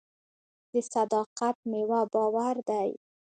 د صداقت میوه باور دی.